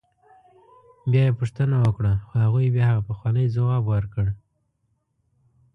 بیا یې پوښتنه وکړه خو هغوی بیا همغه پخوانی ځواب ورکړ.